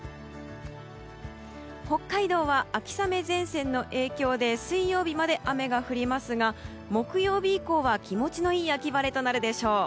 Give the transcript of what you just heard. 北海道は秋雨前線の影響で水曜日まで雨が降りますが木曜日以降は、気持ちのいい秋晴れとなるでしょう。